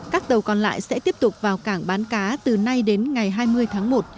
các tàu còn lại sẽ tiếp tục vào cảng bán cá từ nay đến ngày hai mươi tháng một